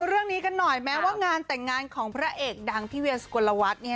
เรื่องนี้กันหน่อยแม้ว่างานแต่งงานของพระเอกดังพี่เวียสุกลวัฒน์